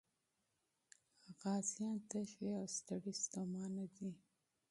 غازيان تږي او ستړي ستومانه دي.